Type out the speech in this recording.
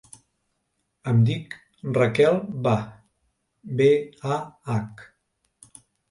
Em dic Raquel Bah: be, a, hac.